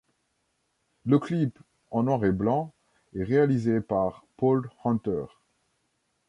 Le clip, en noir et blanc, est réalisé par Paul Hunter.